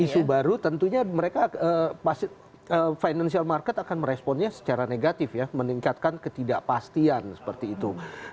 isu baru tentunya mereka financial market akan meresponnya secara negatif ya meningkatkan ketidakpastian seperti itu